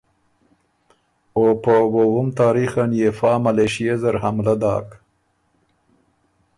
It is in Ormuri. او په وووُم تاریخ ان يې فا ملېشۀ زر حملۀ داک